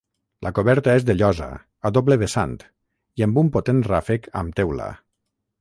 La coberta és de llosa, a doble vessant, i amb un potent ràfec amb teula.